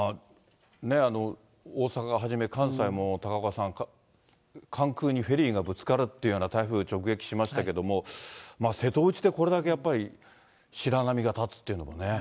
大阪はじめ、関西も高岡さん、関空にフェリーがぶつかるっていうふうな台風直撃しましたけれども、瀬戸内でこれだけやっぱり、白波が立つというのもね。